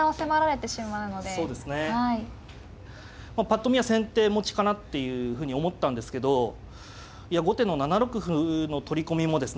ぱっと見は先手持ちかなっていうふうに思ったんですけど後手の７六歩の取り込みもですね大きくて。